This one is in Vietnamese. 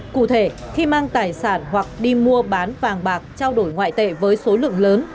cụ thể khi mang tài sản hoặc đi mua bán vàng bạc trao đổi ngoại tệ với số lượng lớn